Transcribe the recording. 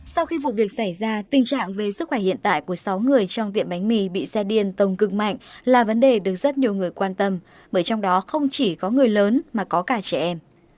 sau khi vụ việc xảy ra tình trạng về sức khỏe hiện tại của sáu người trong tiệm bánh mì bị xe điên tông cực mạnh là vấn đề được rất nhiều người quan tâm bởi trong đó không chỉ có người lớn mà có cả trẻ em